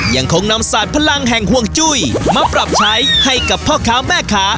ยังคงนำสาดพลังแห่งฮวงจ้อยมาปรับใช้ให้กับพ่อข้าวแม่ขา